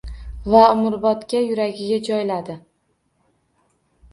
Va umrbodga yuragiga joyladi.